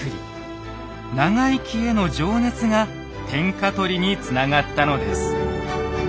長生きへの情熱が天下取りにつながったのです。